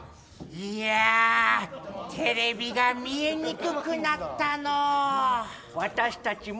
いやー、テレビが見えにくくなったのお。